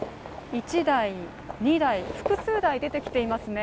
１台２台、複数台出てきていますね。